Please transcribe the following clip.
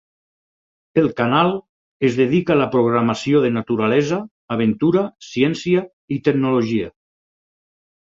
El canal es dedica a la programació de naturalesa, aventura, ciència i tecnologia.